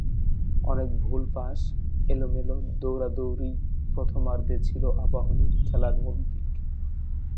অনেক ভুল পাস, এলোমেলো দৌড়াদৌড়িই প্রথমার্ধে ছিল আবাহনীর খেলার মূল দিক।